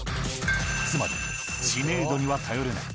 つまり、知名度には頼れない。